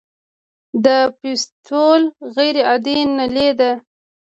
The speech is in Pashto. د فیستول غیر عادي نلۍ ده.